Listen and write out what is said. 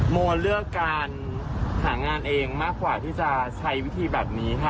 โมเลือกการหางานเองมากกว่าที่จะใช้วิธีแบบนี้ค่ะ